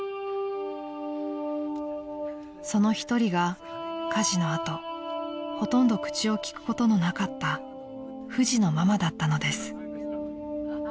［その一人が火事の後ほとんど口を利くことのなかったふじのママだったのです］